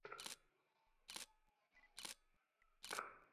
চাঁদের পৃষ্ঠের সঙ্গে তুলনা করলে অন্ধকার মহাকাশে আমাদের গ্রহটি সত্যিই অসাধারণ।